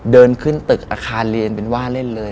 เดินขึ้นตึกอาคารเรียนเป็นว่าเล่นเลย